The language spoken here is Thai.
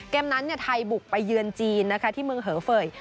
นั้นไทยบุกไปเยือนจีนนะคะที่เมืองเหอเฟย์